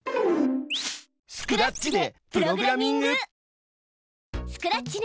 スクラッチでプログラミング！